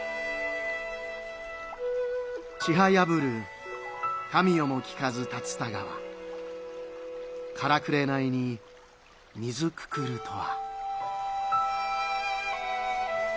「ちはやぶる神代も聞かず竜田川からくれなゐに水くくるとは」。